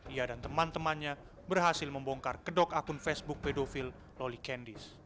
ia dan teman temannya berhasil membongkar kedok akun facebook pedofil loli candis